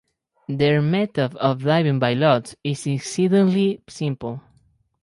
Their method of divining by lots is exceedingly simple.